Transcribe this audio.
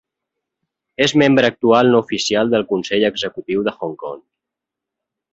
És membre actual no oficial del Consell Executiu de Hong Kong.